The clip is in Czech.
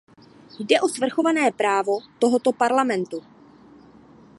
Jde o svrchované právo tohoto Parlamentu.